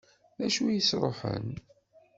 D acu i s-iruḥen?